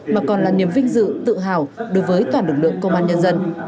mà còn là niềm vinh dự tự hào đối với toàn lực lượng công an nhân dân